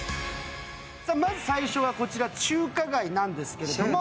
まず最初はこちら、中華街なんですけども。